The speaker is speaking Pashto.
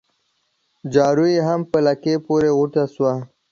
جارو يې هم په لکۍ پوري غوټه سو